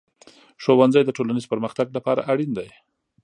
ښوونځی د ټولنیز پرمختګ لپاره اړین دی.